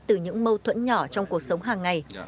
từ những mâu thuẫn nhỏ trong cuộc sống hàng ngày